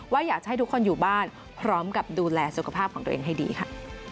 อยากให้ทุกคนอยู่บ้านพร้อมกับดูแลสุขภาพของตัวเองให้ดีค่ะ